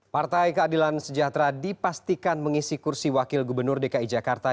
partai keadilan sejahtera dipastikan mengisi kursi wakil gubernur dki jakarta